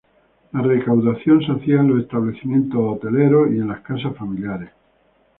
La recaudación se hacía en los establecimientos hosteleros y en las casas familiares.